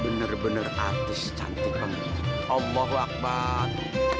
bener bener artis cantik omoh bakbat